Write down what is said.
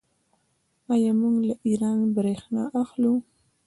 آیا موږ له ایران بریښنا اخلو؟